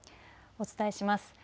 お伝えします。